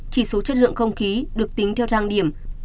chỉ số chất lượng không khí được tính theo thang điểm